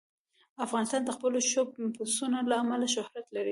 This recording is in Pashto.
افغانستان د خپلو ښو پسونو له امله شهرت لري.